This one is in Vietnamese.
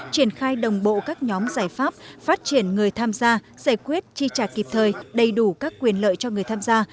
triển khai đồng bộ các nhóm giải pháp phát triển người tham gia giải quyết chi trả kịp thời đầy đủ các quyền lợi cho người tham gia